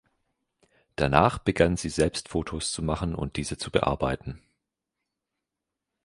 Danach begann sie selbst Fotos zu machen und diese zu bearbeiten.